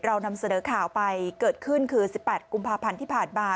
เรานำเสนอข่าวไปเกิดขึ้นคือ๑๘กุมภาพันธ์ที่ผ่านมา